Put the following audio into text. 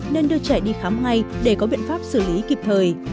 nên đưa trẻ đi khám ngay để có biện pháp xử lý kịp thời